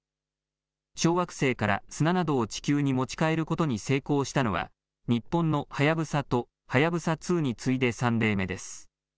小惑星から砂などを地球に持ち帰ることに成功したのは日本のはやぶさとはやぶさ２に次いで３例目です。